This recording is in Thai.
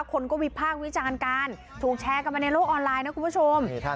คนก็วิพากษ์วิจารณ์กันถูกแชร์กันมาในโลกออนไลน์นะคุณผู้ชม